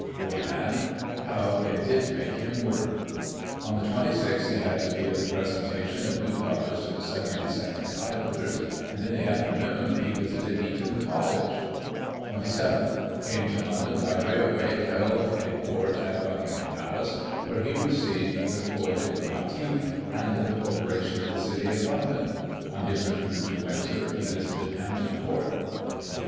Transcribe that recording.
Poor man ! how they did make him work! On the 26th he had to be at the presentation of new colours to the 72nd Highlanders, and, in the afternoon, he visited Eton College. 12* Digitized by Google i8o GOSSIP. [1842 27th. — Came to London by railway, and held a Court at Buckingham Palace, where he received the Corps Viplo matique and the Corporation of the City of London On his return to Windsor, he visited Hampton Court 28th.